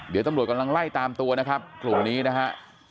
เดี๋ยวตำรวจกำลังไล่ตามตัวนะครับกลุ่มนี้นะฮะ